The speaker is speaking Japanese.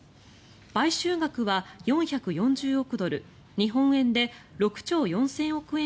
買収額は４４０億ドル日本円で６兆４０００億円